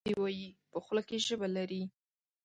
ودي وایي ! په خوله کې ژبه لري .